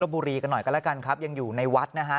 บุรีกันหน่อยก็แล้วกันครับยังอยู่ในวัดนะฮะ